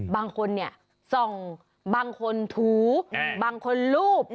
บางคนเนี่ยส่องบางคนถูบางคนรูป